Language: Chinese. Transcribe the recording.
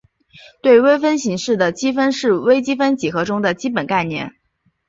对微分形式的积分是微分几何中的基本概念。